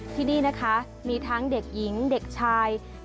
ที่นี่นะคะมีทั้งเด็กหญิงเด็กชายพระอาทิตย์พระอาทิตย์